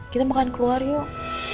kita makan keluar yuk